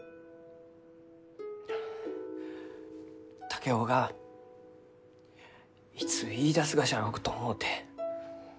竹雄がいつ言いだすがじゃろうと思うて。